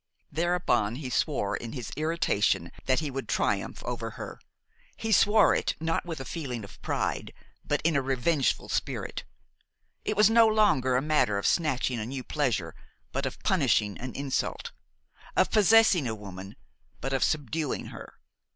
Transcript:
Thereupon he swore, in his irritation, that he would triumph over her; he swore it not from a feeling of pride but in a revengeful spirit. It was no longer a matter of snatching a new pleasure, but of punishing an insult; of possessing a woman, but of subduing her.